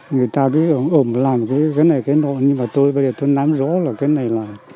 người ta cứ ủng làm cái này cái nộ nhưng mà tôi bây giờ tôi nắm rõ là cái này là